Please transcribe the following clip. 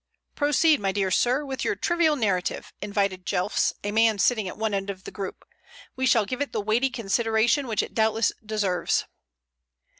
"Proceed, my dear sir, with your trivial narrative," invited Jelfs, a man sitting at one end of the group. "We shall give it the weighty consideration which it doubtless deserves."